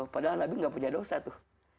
padahal nabi gak punya dosa tuh